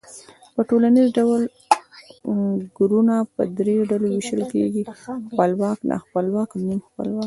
په ټوليز ډول گړونه په درې ډلو وېشل کېږي، خپلواک، ناخپلواک، نیم خپلواک